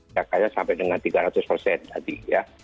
jakanya sampai dengan tiga ratus persen tadi ya